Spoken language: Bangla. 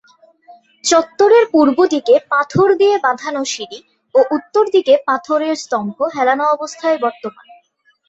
চত্বরের পূর্ব দিকে পাথর দিয়ে বাঁধানো সিঁড়ি ও উত্তরদিকে পাথরের স্তম্ভ হেলানো অবস্থায় বর্তমান।